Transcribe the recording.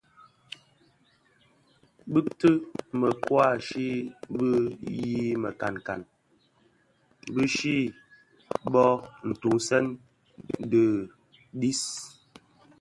Betceu mekoai chi bé yii mikankan, bố chi bộ, ntuňzèn di dhim a dis,